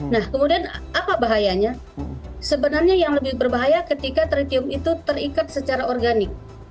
nah kemudian apa bahayanya sebenarnya yang lebih berbahaya ketika tritium itu terikat secara organik